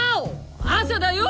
朝だよ！